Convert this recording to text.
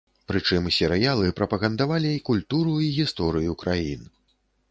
Прычым серыялы прапагандавалі культуру і гісторыю краін.